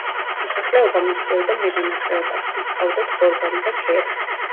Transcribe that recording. მოსახლეობა მისდევდა მევენახეობას, მოჰყავდათ ხორბალი და ქერი.